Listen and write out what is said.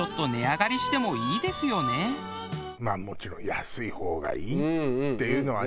まあもちろん安い方がいいっていうのはね